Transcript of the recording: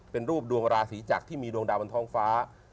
เป็นรูปดวงราศีจากที่มีดวงดาวบนท้องฟ้า